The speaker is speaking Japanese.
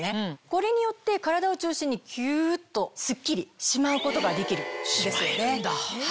これによって体を中心にキュっとすっきりしまうことができるんですよね。